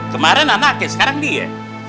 kemaren anaknya sekarang dia